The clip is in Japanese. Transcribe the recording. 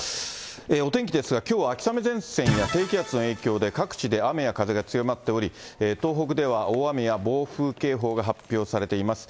お天気ですがきょうは秋雨前線や低気圧の影響で、各地で雨や風が強まっており、東北では大雨や暴風警報が発表されています。